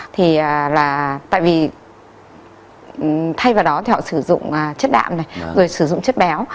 tại vì thay vào đó thì họ sử dụng chất đạm sử dụng chất béo